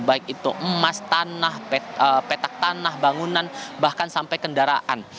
baik itu emas tanah petak tanah bangunan bahkan sampai kendaraan